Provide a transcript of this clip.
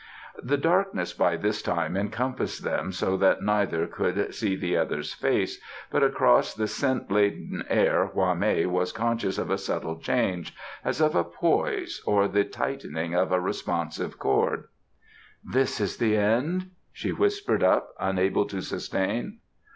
The darkness by this time encompassed them so that neither could see the other's face, but across the scent laden air Hwa mei was conscious of a subtle change, as of a poise or the tightening of a responsive cord. "This is the end?" she whispered up, unable to sustain.